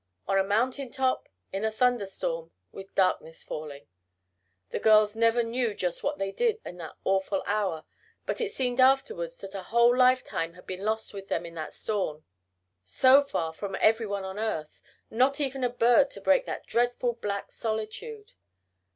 On a mountain top, in a thunder storm, with darkness falling! The girls never knew just what they did in that awful hour, but it seemed afterwards that a whole lifetime had been lost with them in that storm. So far from every one on earth! Not even a bird to break that dreadful black solitude!